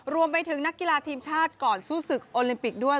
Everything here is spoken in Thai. รวมไปถึงนักกีฬาทีมชาติก่อนสู้ศึกโอลิมปิกด้วย